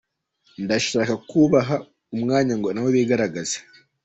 Ndashaka kubaha umwanya ngo nabo bigaragaze.